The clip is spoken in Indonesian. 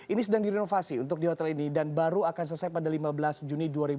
ini sedang direnovasi untuk di hotel ini dan baru akan selesai pada lima belas juni dua ribu dua puluh